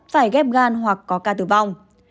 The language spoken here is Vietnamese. phải ghép gan hoặc có ca tử vong